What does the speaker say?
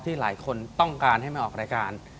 หลายคนต้องการให้มาออกรายการ